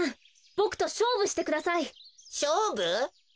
ボクとしょうぶしてください。